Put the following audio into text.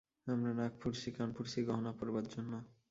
আমরা নাক ফুঁড়ছি, কান ফুঁড়ছি গহনা পরবার জন্য।